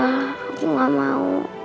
aku nggak mau